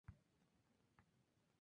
Es nativa de la Europa mediterránea.